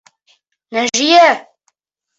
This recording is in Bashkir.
Нәжиә.